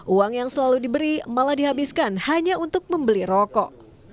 uang yang selalu diberi malah dihabiskan hanya untuk membeli rokok